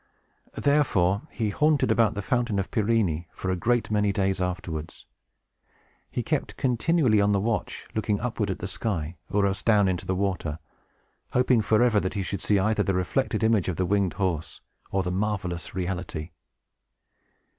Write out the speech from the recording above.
Therefore, he haunted about the Fountain of Pirene for a great many days afterwards. He kept continually on the watch, looking upward at the sky, or else down into the water, hoping forever that he should see either the reflected image of the winged horse, or the marvelous reality.